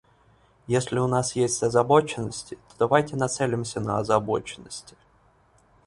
Если у нас есть озабоченности, то давайте нацелимся на озабоченности.